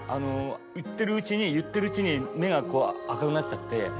言ってるうちに言ってるうちに目が赤くなっちゃって。